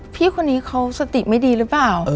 พี่คนนี้เขาสติไม่ดีหรือเปล่า